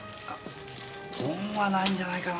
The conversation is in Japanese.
ポンはないんじゃないかな。